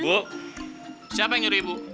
bu siapa yang nyuruh ibu